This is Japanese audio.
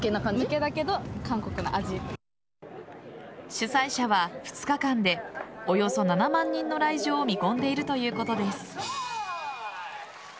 主催者は２日間でおよそ７万人の来場を見込んでいるということです。